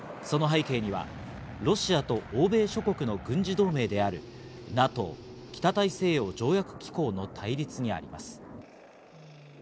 その背景にはロシアと欧米諸国の軍事同盟であるＮＡＴＯ＝北大西洋条約機構の対立にあります。